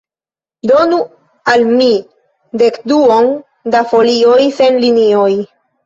Donu al mi dekduon da folioj sen linioj.